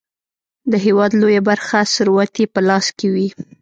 د هیواد لویه برخه ثروت یې په لاس کې وي.